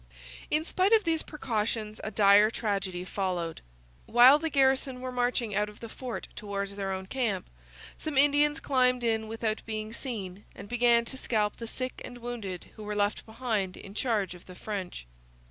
In spite of these precautions a dire tragedy followed. While the garrison were marching out of the fort towards their own camp, some Indians climbed in without being seen and began to scalp the sick and wounded who were left behind in charge of the French.